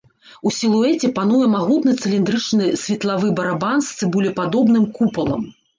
У сілуэце пануе магутны цыліндрычны светлавы барабан з цыбулепадобным купалам.